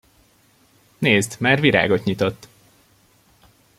Nézd, már virágot nyitott!